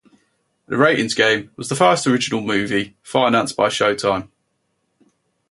"The Ratings Game" was the first original movie financed by Showtime.